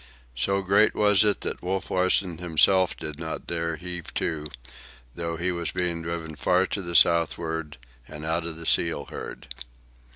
So great was it that Wolf Larsen himself did not dare heave to, though he was being driven far to the southward and out of the seal herd.